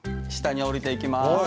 下に下りていきます。